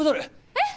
えっ？